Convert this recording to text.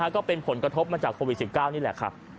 ก็เป็นผลกระทบมาจากโควิด๑๙นี่แหละครับ